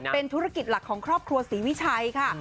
เป็นธุรกิจหลักของครอบครัวศรีวิชัยค่ะ